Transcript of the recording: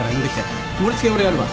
盛り付け俺やるわ。